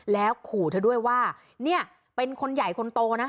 แล้วขู่เธอด้วยว่าเนี่ยเป็นคนใหญ่คนโตนะ